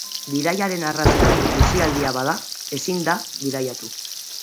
Bidaiaren arrazoia aisialdia bada, ezin da bidaiatu.